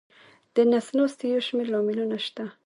د نس ناستي یو شمېر لاملونه شته.